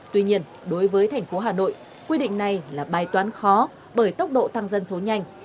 tuy nhiên đối với thành phố hà nội quy định này là bài toán khó bởi tốc độ tăng dân số nhanh